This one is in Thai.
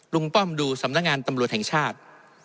ป้อมดูสำนักงานตำรวจแห่งชาติ